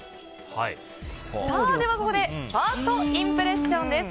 ここでファーストインプレッションです。